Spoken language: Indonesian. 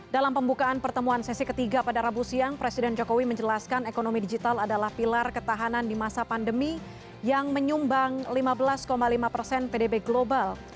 dalam pembukaan pertemuan sesi ketiga pada rabu siang presiden jokowi menjelaskan ekonomi digital adalah pilar ketahanan di masa pandemi yang menyumbang lima belas lima persen pdb global